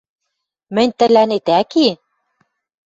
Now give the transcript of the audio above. Мӹнь тӹлӓнет ӓки?!.»